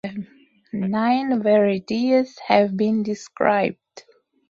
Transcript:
Nine varieties have been described.